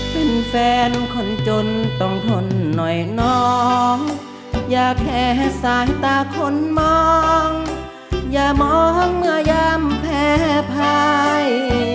เป็นแฟนคนจนต้องทนหน่อยน้องอย่าแค่สายตาคนมองอย่ามองเมื่อยามแพ้ภาย